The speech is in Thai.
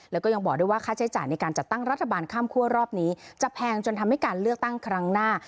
แล้วก็ยังบอกด้วยว่าค่าใช้จ่ายในการจัดตั้งรัฐบาลข้ามคั่วรอบนี้จะแพงจนทำให้การเลือกตั้งครั้งหน้า